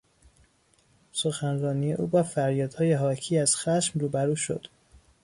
سخنرانی او با فریادهای حاکی از خشم روبرو شد.